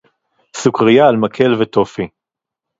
סוכריה על מקל וטופי